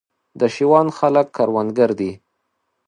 د شېوان خلک کروندګر دي